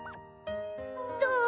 どう？